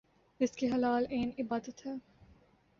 رزق حلال عین عبادت ہے